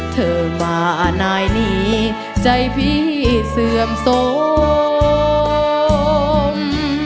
เธอมานายนี้ใจพี่เสื่อมสม